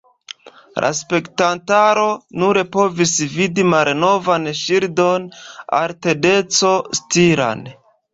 La spektantaro nur povis vidi malnovan ŝildon Art-Deco-stilan.